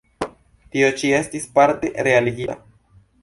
Tio ĉi estis parte realigita.